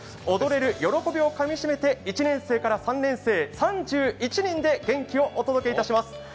踊れる喜びをかみ締めて、１年生から３年生３１人で元気をお届けいたします。